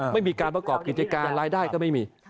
ไม่มีการประกอบกิจการรายได้ก็ไม่มี